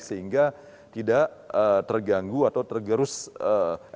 sehingga tidak terganggu atau tergerus